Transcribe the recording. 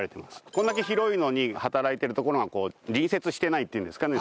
これだけ広いのに働いている所が隣接してないっていうんですかね